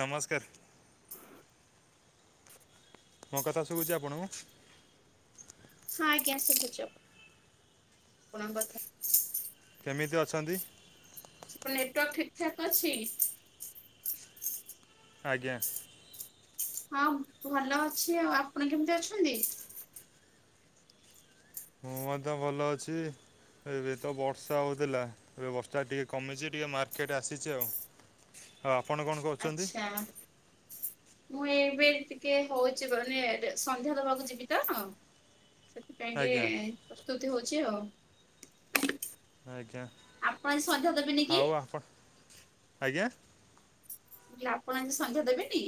ନମସ୍କାର। ମୋ କଥା ଶୁଭୁଛି ଆପଣଙ୍କୁ? ହଁ ଆଜ୍ଞା ଶୁଭୁଛି ଆପଣଙ୍କ କଥା। କେମିତି ଅଛନ୍ତି? ଆପଣ ନେଟୱାର୍କ ଠିକ ଠାକ ଅଛି। ଆଜ୍ଞା। ହଁ ଭଲ ଅଛି। ଆଉ ଆପଣ କେମିତି ଅଛନ୍ତି? ମୁଁ ମଧ୍ୟ ଭଲ ଅଛି? ଏବେ ତ ବର୍ଷା ହଉଥିଲା। ଏବେ ବର୍ଷା ଟିକେ କମିଛି ଟିକେ ମାର୍କେଟ ଆସିଛି ଆଉ। ହଁ ଆପଣ କଣ କରୁଛନ୍ତି? ଆଚ୍ଛା ମୁଁ ଏବେ ଟିକେ ହଉଛି ମାନେ ସନ୍ଧ୍ୟା ଦବାକୁ ଯିବି ତ। ସେଥିପାଇଁ କି ଆଜ୍ଞା ପ୍ରସ୍ତୁତି ହଉଛି ଆଉ। ଆଜ୍ଞା ଆପଣ ସଧ୍ୟା ଦେବେନି କି? ଆଉ ଆପଣ ଆଜ୍ଞା। ଯେ ଆପଣ ଆଜି ସନ୍ଧ୍ୟା ଦେବେନି?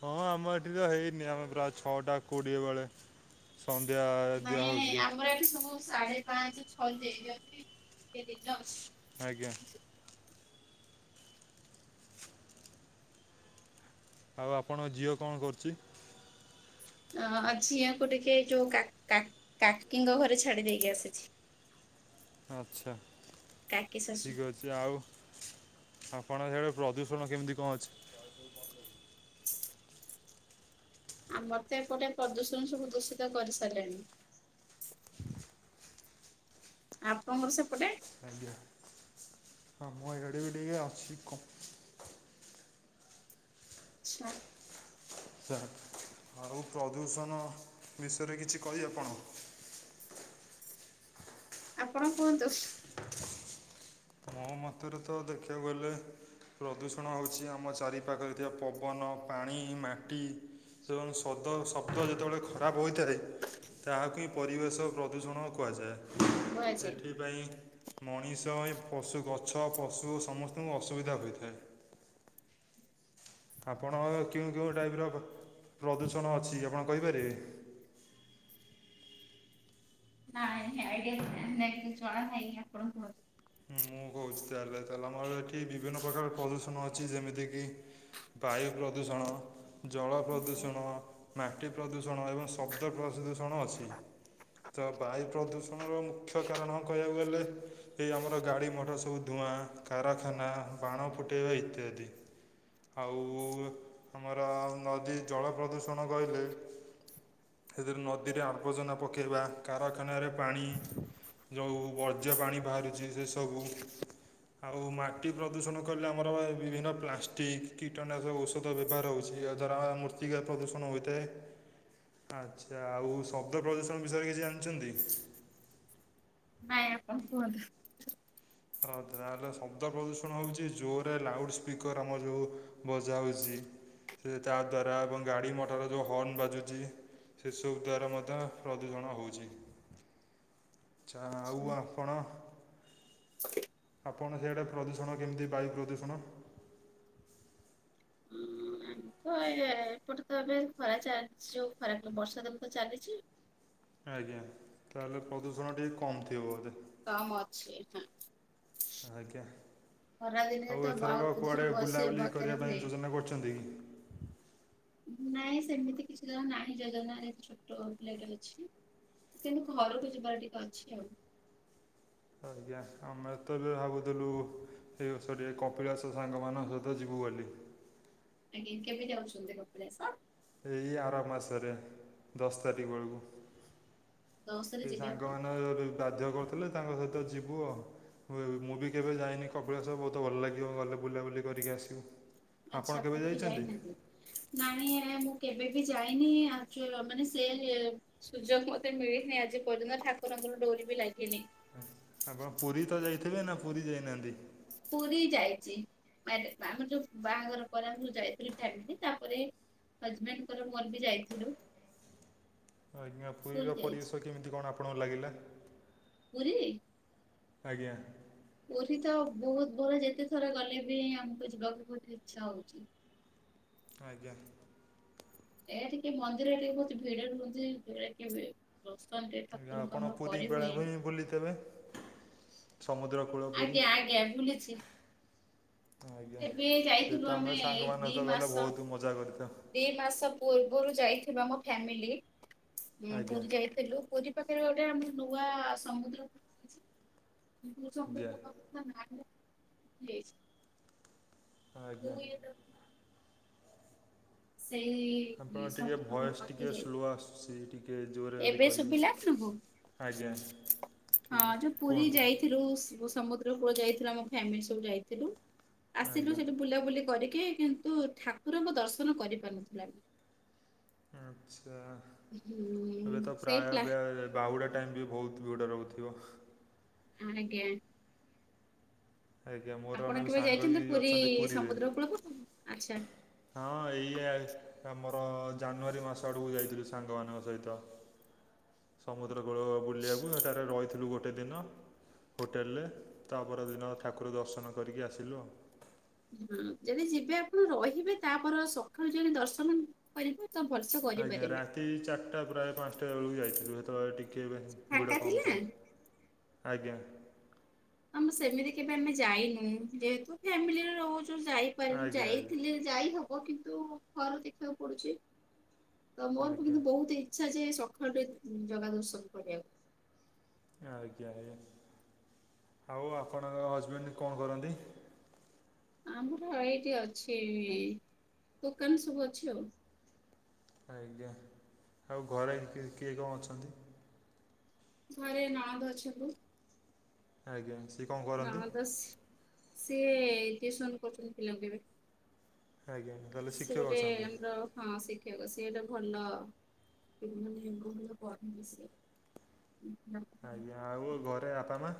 ହଁ ଆମ ଏଠି ତ ହେଇନି ଆମେ ପ୍ରାୟ ଛଅଟା କୋଡ଼ିଏ ବେଳେ। ସନ୍ଧ୍ୟା ନାଇଁ ଦିଆହେଉଛି ଆମର ଏଠି ସବୁ ସାଢ଼େ ପାଞ୍ଚ ଛଅ ଦେଇଦିଅନ୍ତି ଟିକେ ଦିନ ଅଛି। ଆଜ୍ଞା। ଆଉ ଆପଣଙ୍କ ଝିଅ କଣ କରୁଛି? ଅ-ଅ-ଅ ଝିଅକୁ ଟିକେ ଯୋଉ କା କା କାକିଙ୍କ ଘରେ ଛାଡ଼ି ଦେଇକି ଆସିଛି। ଆଚ୍ଛା କାକି ଶାଶୁ। ଠିକ ଅଛି ଆଉ ଆପଣ ସେପଟେ ପ୍ରଦୂଷଣ କେମିତି କଣ ଅଛି? ଆମର ତ ଏପଟେ ପ୍ରଦୂଷଣ ସବୁ ଦୂଷିତ କରିସାରିଲେଣି। ଆପଣଙ୍କର ସେପଟେ? ଆଜ୍ଞା ହଁ ମୁଁ ଏଆଡେ ବି ଟିକେ ଅଛି କ ଆଚ୍ଛା। [unintelligible] ଆଉ ପ୍ରଦୂଷଣ ବିଷୟରେ କିଛି କହି ଆପଣ? ଆପଣ କୁହନ୍ତୁ। [unintelligible] ଅନ୍ତରତଃ ଦେଖିବାକୁ ଗଲେ ପ୍ରଦୂଷଣ ହେଉଛି ଆମ ଚାରିପାଖରେ ଥିବା ପବନ, ପାଣି ମାଟି ତେଣୁ ସଦ ଶବ୍ଦ ଯେତେବେଳେ ଖରାପ ହୋଇଥାଏ ତାହାକୁ ହିଁ ପରିବେଶ ପ୍ରଦୂଷଣ କୁହାଯାଏ। କୁହାଯାଏ। ଏଥିପାଇଁ ମଣିଷ ପଶୁ ଗଛ ପଶୁ ସମସ୍ତଙ୍କୁ ଅସୁବିଧା ହୋଇଥାଏ। ଆପଣ କେଉଁ କେଉଁ ଟାଇପ୍ ର ପ୍ରଦୂଷଣ ଅଛି ଆପଣ କହିପାରିବେ? ନାଇ ଏ ଆଇଡିଆ ନାଇଁ [unintelligible] ଆପଣ କୁହନ୍ତୁ ମୁଁ କହୁଛି ତାହେଲେ, ତାହେଲେ ଆମର ଏଠି ବିଭିନ୍ନ ପ୍ରକାର ପ୍ରଦୂଷଣ ଅଛି ଯେମିତିକି ବାୟୁ ପ୍ରଦୂଷଣ, ଜଳ କୁହନ୍ତୁ। ପ୍ରଦୂଷଣ ମାଟି ପ୍ରଦୂଷଣ ଏବଂ ଶବ୍ଦ ପ୍ରଦଦୂଷଣ ଅଛି। ତ ବାୟୁ ପ୍ରଦୂଷଣର ମୁଖ୍ୟ କାରଣ କହିବାକୁ ଗଲେ ଏଇ ଆମର ଗାଡି ମଟର ସୁ ଧୂଆଁ କାରଖାନା ବାଣ ଫୁଟାଇବା ଇତ୍ୟାଦି। ଆଉ ଆମର ନଦୀ ଜଳ ପ୍ରଦୂଷଣ କହିଲେ ସେଥିରେ ନଦୀରେ ଆବବଜନା ପକାଇବା କାରଖାନାରେ ପାଣି ଯୋଉଁ ବର୍ଜ୍ୟ ପାଣି ବାହାରୁଛି ସେ ସବୁ ଆଉ ମାଟି ପ୍ରଦୂଷଣ କଲେ ଆମର ବିଭିନ୍ନ ପ୍ଲାଷ୍ଟିକ କୀଟନାଶକ ଔଷଧ ବ୍ୟବହାର ହେଉଛି ଆଉ ଧର ମୂର୍ତ୍ତିକା ପ୍ରଦୂଷଣ ହୋଇଥାଏ ଆଚ୍ଛା ଆଉ ଶବ୍ଦ ପ୍ରଦୂଶନ ବିଷୟରେ କିଛି ଜାଣିଛନ୍ତି? ନାଇଁ ଆପଣ କୁହନ୍ତୁ। ହଉ ତାହେଲେ ଶବ୍ଦ ପ୍ରଦୂଷଣ ହଉଛି ଜୋରରେ ଲାଉଡ ସ୍ପିକର ଆମର ଯୋଉ ବଜ ହଉଛି ସେ ତା ଦ୍ଵାରା ଏବଂ ଗାଡି ମଟର ଯୋଉ ହର୍ଣ ବାଜୁଛି ସେିସୁ ଦ୍ଵାରା ମଧ୍ୟ ପ୍ରଦୂଷଣ ହଉଛି। ଆଛା ଆଉ ଆପଣ [inaudible] ଆପଣ ସେଆଡ଼େ ପ୍ରଦୂଷଣ କେମିତି ବାୟୁ ପ୍ରଦୂଷଣ? ହ ଏା ଏପଟେ ତ ଏବେ ଖରା ଚାଲିଛି ଯୋଉ ଖରା ବର୍ଷା ଦେବ ତ ଚାଲିଛି। ଆଜ୍ଞା। ତାହେଲେ ପ୍ରଦୂଷଣ ଟିକେ କମ ଥିବ ବୋଧେ? କମ ଅଛି ହଁ ଆଜ୍ଞା। ଖରା ଦିନରେ ଆଉ ତ ବାୟୁ ଏଥରକ ପ୍ରଦୂଷଣ କୁଆଡେ ବସ ବୁଲାବୁଲି ବକାରେ କରିବା ହୁଏ। ପାଇଁ ଯୋଜନା କରୁଛନ୍ତି କି? ନାଇଁ ସେମିତି କିଛି ଜଣ ନାହିଁ ଯଜନାାରେ ଛୋଟ ପିଲା ଅଛି। ସେମତି ଘରକୁ ଯିବାର ଟିକେ ଅଛି ଆଉ। ଆଜ୍ଞା ଆମେ ତ ଭାବୁଥିଲୁ ଏ ସରି କପିଳାସ ସାଙ୍ଗ ମାନଙ୍କ ସହିତ ଯିବୁ। କୁଆଲି। ଆଜ୍ଞା କେବେ ଯାଉଛନ୍ତି କପିଳାସ? ଏଇ ଆର ମାସରେ ଦଶ ତାରିଖ ବେଳକୁ। ଦଶରେ ସେ ଯିବେ ସାଙ୍ଗ ଆପଣ ମାନ ବାଧ୍ୟ କରିୁଥିଲେ ତାଙ୍କ ସହିତ ଯିବୁ ଆଉ ମୁଁ ବି କେବେ ଯାଇନି କପିଳାସ ବହୁତ ଭଲ ଲାଗିବ ଗଲେ। ବୁଲାବୁଲି କରିକି ଆସିବୁ। ଆଚ୍ଛା ଆପଣ କେବେ ଯାଇନାହାନ୍ତି ନଣୀ କେବେ ବି ଯାଇନି ମାନେ ସେ ସୁଯୋଗ ମତେ ମିଳିନି ଆଜି ପରିନ୍ଦ୍ର ଠାକୁର ତା ଡରି ବି ଲାଗିନି। ଆପଣ ପୁରୀ ତ ଯାଇଥିବେ ନା ପୁରୀ ଯାଇନାହାନ୍ତି? ପୁରୀ ଯାଇଛି। ଆମର ଯୋଉ ବାହାଘର ପରେ ମୁ ଯାଇଥିଲି ଫ୍ୟାମିଲି ତାପରେ ହଜବେଣ୍ଡଙ୍କର ମୋର ବି ଯାଇଥିଲୁ। ଆଜ୍ଞା ପୁରୀ ପୁରୀର ଯାଇଛି ପରିବେଶ କେମିତି କଣ ଆପଣଙ୍କୁ ଲାଗିଲା? ପୁରୀ ଆଜ୍ଞା। ପୁରୀ ତ ବହୁତ ଭଲ ଯେତେ ଥର ଗଲେ ବି ଆମକୁ ଯିବାକୁ ବହୁତ ଇଛା ହଉଛି। ଆଜ୍ଞା। ଏ ଟିକେ ମନ୍ଦିରରେ ଟିକେ ବହୁ ଭିଡ ରୁହନ୍ତି ସେରା କେବେ ଦର୍ଶନ ଆଜ୍ଞା ଠାକୁରଙ୍କୁ ଆପଣ ଆମର ପୁରୀ କରିହୁଏନି। ବେଳାଭୂମି ବୁଲିଥିବେ? ସମୁଦ୍ର କୂଳ ପୁରୀ ଆଜ୍ଞା ଆଜ୍ଞା ଭୁଲିଛି। ଆଜ୍ଞା ଏବେ ସେ ଯାଇଥିଲୁ ତ ଆମେ ଏଇ ଦି ସାଙ୍ଗମାନଙ୍କ ସହିତ ଗଲେ ମାସ ବହୁତ ମଜା କରିଥାଉ ଦି ମାସ ପୂର୍ବରୁ ଯାଇଥିବା ମୋ ଫ୍ୟାମିଲି ଆଜ୍ଞା ପୁରୀ ଯାଇଥିଲୁ ପୁରୀ ପାଖରେ ଗୋଟେ ଆମ ନୂଆ ସମୁଦ୍ର ଆଜ୍ଞା [unintelligible] ମୁଁ ଆଜ୍ଞା ଇଏତ ସେହି ଆପଣ ଟିକେ ଭଏସ୍ ଟିକିଏ ସ୍ଲୋ ଆସୁଛି ଟିକେ ଜୋରରେ ଆହୁରି ଏବେ ଶୁଭିଲା କହିବେ। ଆପଣଙ୍କୁ? ଆଜ୍ଞା। ଠିକ୍ ହଁ ଯୋଉ ପୁରୀ କୁହନ୍ତୁ ଯାଇଥିଲୁ ସମୁଦ୍ର କୂଳ ଯାଇଥିଲୁ ଆମ ଫ୍ୟାମିଲି ସବୁ ଯାଇଥିଲୁ ଆସିଲୁ ଆଜ୍ଞା ସେଠି ବୁଲାବୁଲି କରିକି କିନ୍ତୁ ଠାକୁରଙ୍କ ଦର୍ଶନ କରିପାରୁନଥୁଲା ବି। ଆଚ୍ଛା ଏବେ ହୁଁ ତ ସେଇ ପ୍ରାୟ ପ୍ଲା ଏବେ ବାହୁଡ଼ା ଟାଇମ୍ ବି ବହୁତ ଭିଡ଼ ରହୁଥିବ। ଆଜ୍ଞା। ଆଜ୍ଞା ମୋର ଆପଣ ଅନା କେବେ ସାଙ୍ଗ ଯାଇଛନ୍ତି ବି ପୁରୀ ଅଛନ୍ତି ପୁରୀରେ ସମୁଦ୍ର କୂଳକୁ? ଆଚ୍ଛା ହଁ ଏଇୟା ଆମର ଜାନୁଆରୀ ମାସ ଆଡକୁ ଯାଇଥିଲୁ ସାଙ୍ଗ ମାନଙ୍କ ସହିତ। ସମୁଦ୍ର କୂଳ ବୁଲିବାକୁ ସେଠାରେ ରହିଥିଲୁ ଗୋ ଗୋଟେ ଦିନ ହୋଟେଲରେ ତା ପରଦିନ ଠାକୁର ଦର୍ଶନ କରିକି ଆସିଲୁ ଆଉ ହୁଁ ଯଦି ଯିବେ ଆପଣ ରହିବେ ତାପର ସକାଳୁ ଯଦି ଦର୍ଶନ କରିବେ ତ ଭଲସେ ଆଜ୍ଞା କରିପାରିବେ ରାତି ଚାରିଟା ପୁରା ପାଞ୍ଚଟା ବେଳକୁ ଯାଇଥିଲୁ ସେତେବେଳେ ଟିକେ ଫାଙ୍କା ଭିଡ କମ ଥିଲା? ଥାଏ। ଆଜ୍ଞା। ଆମ ସେମିତି କେବେ ଆମେ ଯାଇନୁ ଯେହେତୁ ଫ୍ୟାମିଲିରେ ରହୁଛୁ। ଯାଇପାରିଲି ଆଜ୍ଞା ଆଜ୍ଞା ଯାଇଥିଲି ଯାଇ ହବ କିନ୍ତୁ ଘର ଦେଖିବାକୁ ପଡୁଛି। ତ ମୋର ଆଜ୍ଞା କିନ୍ତୁ ବହୁତ ଇଚ୍ଛା ଯେ ସଖାଳୁ ଟିକେ ଜଗା ଦର୍ଶନ କରିବାକୁ। ଆଜ୍ଞା ଆଜ୍ଞା ଆଉ ଆପଣଙ୍କ ହଜବେଣ୍ଡ କଣ କରନ୍ତି? ଆମର ଏଇଠି ଅଛି ଦୋକାନ ସବୁ ଅଛି ଆଉ। ଆଜ୍ଞା ଆଉ ଘରେ କିଏ କଣ ଅଛନ୍ତି? ଘରେ ନଣନ୍ଦ ଅଛନ୍ତି। ଆଜ୍ଞା। ସିଏ କ'ଣ କରନ୍ତି ନଣନ୍ଦ ସ ସିଏ ଟିଉସନ କରୁଛନ୍ତି ପିଲାଙ୍କୁ ଏବେ। ଆଜ୍ଞା ତାହେଲେ ସେ ଶିକ୍ଷକ ଗୋଟେ ଅଛନ୍ତି ଆମର ହଁ ସେଇଠି ସେଟା ଭଲ [unintelligible] ଭଲ କରନ୍ତି ସେ। ଆଜ୍ଞା ଆଉ ଘରେ ବାପା ମା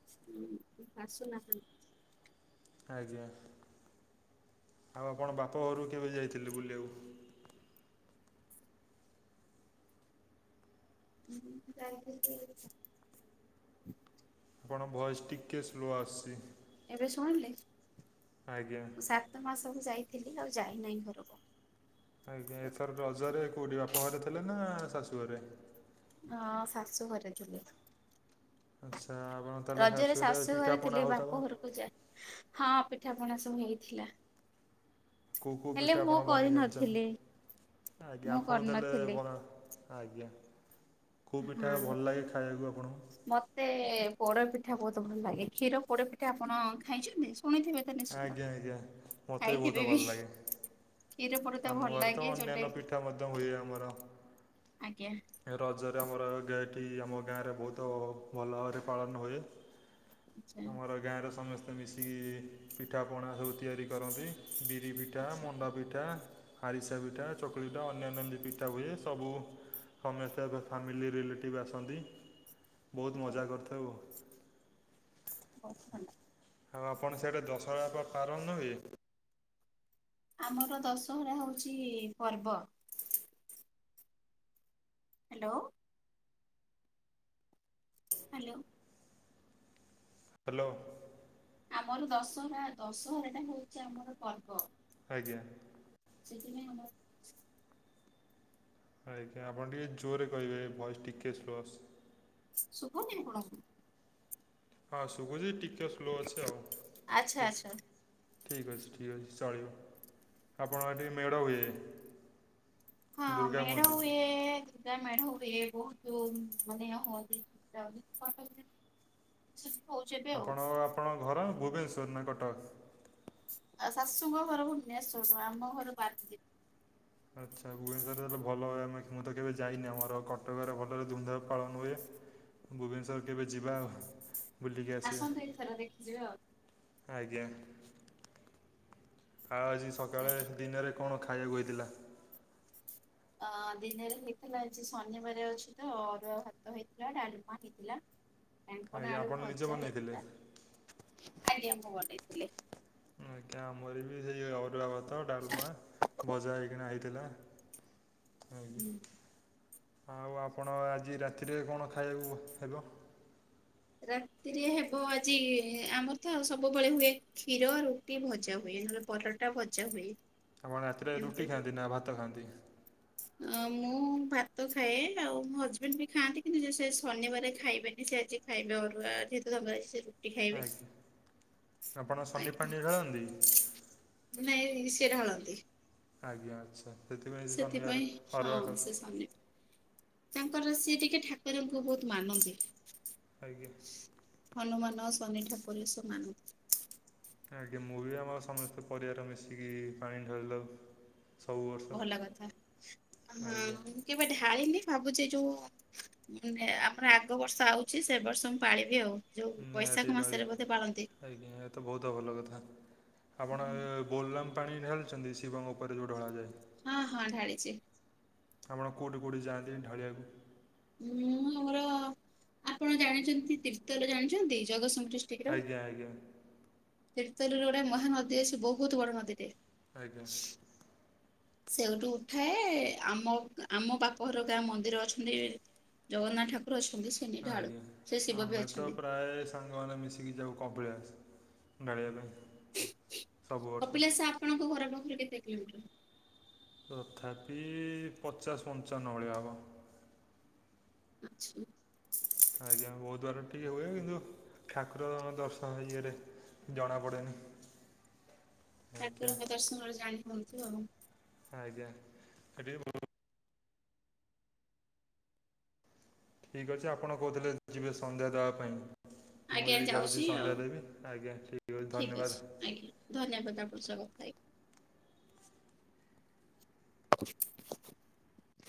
ହଁ ଆସୁନାହାନ୍ତି। ଆଜ୍ଞା। ଆଉ ଆପଣ ବାପ ଘରୁ କେବେ ଯାଇଥିଲେ ବୁଲିବାକୁ? ହଁ ଯାଇଥିଲି ଆପଣ ଭଏସ୍ ଟିକେ ସ୍ଲୋ ଆସୁଛି। ଏବେ ଶୁଣିଲେ, ଆଜ୍ଞା ମୁଁ ସାତ ମାସ ହେଲା ଯାଇଥିଲି ଆଉ ଯାଇନାହିଁ ଘରକୁ। ଆଜ୍ଞା ଏଥର ରଜରେ କୋଉଠି ବାପା ଘରେ ଥିଲେ ନା ଶାଶୁ ଘରେ? ହଁ ଶାଶୁ ଘରେ ଥିଲି। ଆଚ୍ଛା ଆପଣ ତାହେଲେ ରଜରେ ଶାଶୁ ଘରେ ପିଠାପଣା ଥିଲି ହେଉଥିବ ବାପ ଘରକୁ ଯାଇ ହଁ ପିଠାପଣା ସବୁ ହେଇଥିଲା। କୋଉ କୋଉ ହେଲେ ପିଠା ମୁଁ ଆପଣ ବନେଇ କରିନଥିଲି ଜାଣିଛନ୍ତି? ଆଜ୍ଞା ମୁଁ ଆପଣ ତାହେଲେ କରିନଥିଲି। ବଡ ଆଜ୍ଞା। କେଉଁ ପିଠା ହଁ ଭଲ ଲାଗେ ଖାଇବାକୁ ଆପଣଙ୍କୁ ମତେ ପୋଡ ପିଠା ବହୁତ ଭଲ ଲାଗେ, କ୍ଷୀର ପୋଡ଼ ପିଠା ଆପଣ ଖାଇଛନ୍ତି? ଶୁଣିଥିବେ ତ ନିଶ୍ଚିନ୍ତ ଆଜ୍ଞା ଆଜ୍ଞା ମତେ ବି ବହୁତ ଭଲ ଲାଗେ। କ୍ଷୀର ପୋଡ ତ ଆମ ଭଲ ଘରେ ତ ଲାଗେ ଯୋଉଟା ଅନ୍ୟାନ୍ୟ କି ପିଠା ମଧ୍ୟ ହୁଏ। ଆମର ଆଜ୍ଞା ଏ ରଜରେ ଆମର ଗେ ସେଠି ଆମ ଗାଁରେ ବହୁତ ଭଲରେ ପାଳନ ହୁଏ। ଆଚ୍ଛା। ଆମର ଗାଁରେ ସମସ୍ତେ ମିଶିକି ପିଠାପଣା ତିଆରି କରନ୍ତି। ବିରି ପିଠା, ମଣ୍ଡା ପିଠା ଆରିସା ପିଠା, ଚକୁଳି ପିଠା, ଅନ୍ୟାନ୍ୟ ଏମିତି ପିଠା ହୁଏ। ସବୁ ସମସ୍ତେ ଫ୍ୟାମିଲି ରିଲେଟିଭ୍ ଆସନ୍ତି ବହୁତ ମଜା କରିଥାଉ। ବହୁତ ଭଲ। ଆଉ ଆପଣ ସିଆଡେ ଦଶହରା ଆପଣ ପାଳନ ହୁଏ? ଆମର ଦଶହରା ହଉଚି ପର୍ବ। ହାଲୋ। ହାଲୋ। ହାଲୋ। ଆମର ଦଶହରା ଦଶହରା ଟା ହଉଚି ଆମର ପର୍ବ। ଆଜ୍ଞା। ସେଥିିପାଇଁ ଆମର ଆଜ୍ଞା ଆପଣ ଟିକେ ଜୋରରେ କହିବେ ଭଏସ ଟିକେ ସ୍ଲୋ ଆସୁଚି। ସୁଭୁନି ଆପଣଙ୍କୁ? ହଁ ଶୁଭଜି ଟିକେ ସ୍ଲୋ ଅଛି ଆଉ। ଆଚ୍ଛା ଆଚ୍ଛା। ଠିକ ଅଛି, ଠିକ୍ ଅଛି। ଚଳିବ, ଆପଣଙ୍କ ଏଠି ମେଢ ହୁଏ? ହଁ ଦୁର୍ଗା ମେଢ ହୁଅନ୍ତି ହୁଏ। ମେଢ଼ ହୁଏ, ବହୁତ ମାନେ ହ [unintelligible] ଆପଣ ଆପଣଙ୍କ ଘର ଭୁବନେଶ୍ୱର ନା କଟକ? ଆଉ ଶାଶୁଙ୍କ ଘର ଭୁବନେଶ୍ଵର ଆମ ଘର ପାରାଦୀପ୍। ଆଚ୍ଛା ଭୁବନେଶ୍ୱରରେ ତାଲେ ଭଲ ଏ ଆମେ ମୁଁ ତ କେବେ ଯାଇନି ଆମର କଟକରେ ଭଲରେ ଧୁମଧାମ ପାଳନ ହୁଏ। ଭୁବନେଶ୍ୱର କେବେ ଯିବା ଆଉ। ବୁଲିକି ଆସିବା ଆସନ୍ତୁ ଏଇଥର ଦେଖିଯିବେ ଆଉ। ଆଜ୍ଞା। ଆଉ ଆଜି ସକାଳେ ଆଜ୍ଞା। ଦିନରେ କଣ ଖାଇବାକୁ ହୋଇଥିଲା? ଆ ଦିନେରେ ହେଇଥିଲା ଆଜି ଶନିବାର ଅଛି ତ ଅରୁଆ ଭାତ ହେଇଥିଲା, ଡାଲମା ହେଇଥିଲା। କାଙ୍କଡ ଆଜ୍ଞା ଆଳୁ ଆପଣ ନିଜେ ଭଜା ବନେଇଥିଲେ ହେଇଥିଲା, ଆଜ୍ଞା ମୁଁ ବନେଇ ଥିଲି। ଆଜ୍ଞା ଆମର ବି ସେଇ ଅରୁଆ ଭାତ ଡ଼ାଲମା ଭଜା ହେଇକିନା ହେଇଥିଲା। ଆଜ୍ଞା ହୁଁ। ଆଉ ଆପଣ ଆଜି ରାତିରେ କଣ ଖାଇବାକୁ ହେବ? ରାତିରେ ହେବ ଆଜି ଆମର ତ ସବୁବେଳେ ହୁଏ କ୍ଷୀର ରୁଟି ଭଜା ହୁଏ। ପରଟା ଭଜା ହୁଏ‌। ଆପଣ ରାତିରେ ରୁଟି ଖାଆନ୍ତି ନା ଭାତ ଖାଆନ୍ତି? ଆ ମୁ ମୁଁ ଭାତ ଖାଏ ଆଉ ମୋ ହଜବେଣ୍ଡ ବି ଖାଆନ୍ତି କିନ୍ତୁ ଯେ ସେ ଶନିବାର ଖାଇବେନି ସେ ଆଜି ଖାଇବା ଅରୁଆ ହେଇଥିଲା [unintelligible] ସରୁ ଖାଇବେ ଆଜ୍ଞା ଆପଣ ଶନି ଆଜ୍ଞା। ପାଣି ଢାଳନ୍ତି ନାଇ କିଏ ଧଳନ୍ତି? ଆଜ୍ଞା ଆଚ୍ଛା। ସେଥିପାଇଁ ଶନିବାର ସେଥିପାଇଁ ହଁ ଅରୁଆ ଖାଉ ସେ ସନି ତାଙ୍କର ସିଏ ଟିକେ ଠାକୁରଙ୍କୁ ବହୁତ ମାନନ୍ତି। ଆଜ୍ଞା। ନ ଶନି ଠାକୁର ଏସବୁ ମାନନ୍ତି। ଆଜ୍ଞା ମୁଁ ବି ଆମ ସମସ୍ତେ ପରିବାର ମିଶିକି ପାଣି ଢାଳିଦଉ। ଭଲ କଥା ହଁ ଆଜ୍ଞା ମୁ କେବେ ଢାଳିନି। ଭାବୁଚି ଏ ଯୋଉ ଆମର ଆଗ ବର୍ଷ ଆଉଚି ସେ ବର୍ଷ ମୁଁ ପାଳିବି ଆଉ। ଯୋଉ ବୈଶାଖ ନିହାତି ମାସରେ ବୋଧେ ପାଳନ୍ତି। ଢାଳିବେ ଆଜ୍ଞା ଏ ତ ବହୁତ ଭଲ କଥା। ଆପଣ ବୋଲଲାମ ପାଣି ଢାଳିଚନ୍ତି ଶିବଙ୍କ ଉପରେ ଯୋଉ ଢଳା ଯାଏ। ହଁ ହଁ ଢାଳିଚି। ଆପଣ କୋଉଠି କୋଉଠି ଯାଆନ୍ତି ଢାଳିଆକୁ? ହୁଁ ମୋର ଆପଣ ଜାଣିଚନ୍ତି ତୀର୍ଥଲ ଜାଣିଚନ୍ତି ଜଗତସିଂହ ଆଜ୍ଞା ଆଜ୍ଞା। ତୀର୍ତେଲରୁ ଗୋଟେ ମହାନଦୀ ଅଛି, ବହୁତ ବଡ ନଦୀଟେ। ଆଜ୍ଞା। ସେଇଠୁ ଉଠାଏ ଆମ ଆମ ବାପ ଘର ଗାଁ ମନ୍ଦିର ଅଛନ୍ତି ଜଗନ୍ନାଥ ଠାକୁର ଅଛ ଆଜ୍ଞା ଆମେ ତ ପ୍ରାୟ ସାଙ୍ଗମାନେ ମିଶିକି ଯାଉୁ କପିଲାସ। ଢ଼ାଳିବା ପାଇଁ। ସବୁ ବର୍ଷ କପିଳାସା ଆପଣଙ୍କ ଘର ପାଖରେ କେତେ କିଲୋମିଟର? ତଥାପି ପଚାଶ ପଞ୍ଚାବନ ଭଳିଆ ହେବ। ଆଚ୍ଛା। ଆଜ୍ଞା ବୋହୁତ ବାଟ ଟିକେ ହୁଏ କିନ୍ତୁ ଠାକୁରଙ୍କ ଦର୍ଶନ ଇଏରେ ଜଣା ପଡ଼େନି। ଠାକୁରଙ୍କ ଦର୍ଶନରେ ଜାଣି ହଉନଥିବ ଆଉ। ଆଜ୍ଞା [unintelligible] ଠିକ ଅଛି ଆପଣ କହୁଥିଲେ ଯିବେ ସନ୍ଧ୍ୟା ଦେବା ପାଇଁ। ମୁଁ ଆଜ୍ଞା ବି ଯାଉଛି ସନ୍ଧ୍ୟା ଦେବ ଆଜ୍ଞା ଠିକ୍ ଅଛି। ଠିକ ଅଛି ଧନ୍ୟବାଦ ଆଜ୍ଞା ଧନ୍ୟବାଦ ଆପଣ ସ କଥା ହେଇ